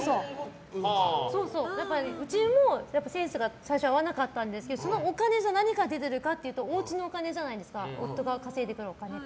やっぱりうちもセンスが最初合わなかったんですけどそのお金がどこから出てるかというとおうちのお金じゃないですか夫が稼いでくるお金って。